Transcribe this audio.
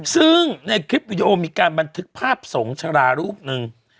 ซึ่งในคลิปวิดีโอมีการบันทึกภาพสงชรารูปหนึ่ง